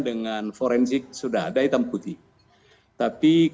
yang terpertaulangan dari pak bik